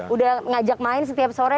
udah ngajak main setiap sore